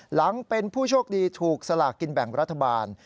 หลังเป็นผู้โชคดีถูกสลากกินแบ่งรัฐบาล